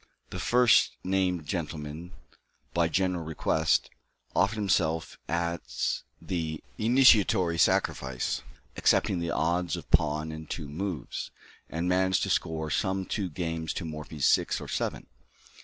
The first named gentleman, by general request, offered himself as the initiatory sacrifice, accepting the odds of pawn and two moves, and managed to score some two games to Morphy's six or seven.